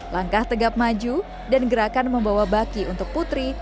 langkah tegap maju dan gerakan membawa baki untuk putri